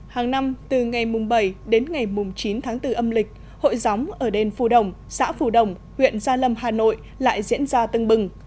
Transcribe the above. hàng năm từ ngày mùng bảy đến ngày chín tháng bốn âm lịch hội gióng ở đền phù đồng xã phù đồng huyện gia lâm hà nội lại diễn ra tân bừng